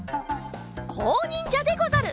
こうにんじゃでござる！